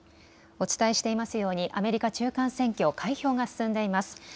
お伝えしていますようにアメリカ中間選挙、開票が進んでいます。